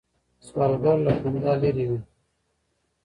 سوالګر له خندا لرې وي